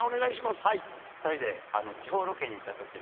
２人で地方ロケに行った時の。